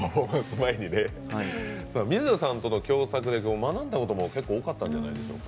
水野さんとの共作で学んだことも結構多かったんじゃないですか。